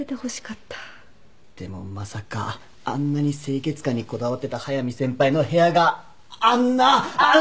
でもまさかあんなに清潔感にこだわってた速見先輩の部屋があんなあん！